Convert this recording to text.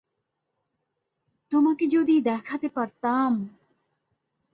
তোমাকে যদি দেখাতে পারতাম!